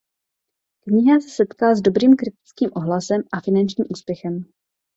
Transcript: Kniha se setkala s dobrým kritickým ohlasem a finančním úspěchem.